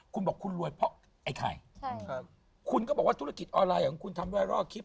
คุณบอกคุณรวยเพราะไอ้ไข่คุณก็บอกว่าธุรกิจออนไลน์ของคุณทำด้วยรอบคลิป